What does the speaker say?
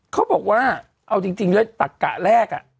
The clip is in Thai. เขาบอกว่าเอาจริงเลยตักกะแรก